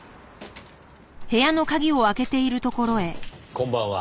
こんばんは。